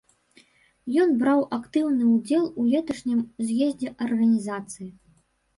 Ён браў актыўны ўдзел у леташнім з'ездзе арганізацыі.